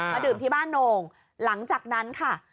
ดื่มที่บ้านโน่งหลังจากนั้นค่ะ